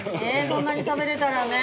そんなに食べれたらね